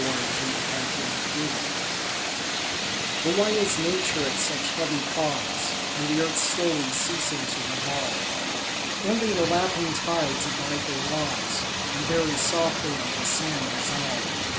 Michael Field September BUT why is Nature at such heavy pause, And the earth slowly ceasing to revolve? Only the lapping tides abide their laws, And very softly on the sand dissolve.